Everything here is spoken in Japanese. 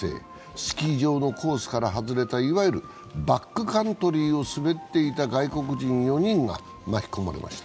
スキー場のコースから外れたいわゆるバックカントリーを滑っていた外国人４人が巻き込まれました。